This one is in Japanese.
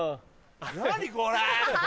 何これ！